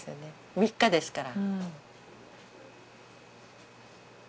３日ですから。